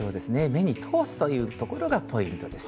目に通すというところがポイントです。